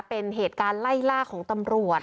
เป็นเหตุการณ์ไล่ล่าของตำรวจ